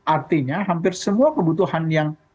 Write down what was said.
artinya hampir semua kebutuhan yang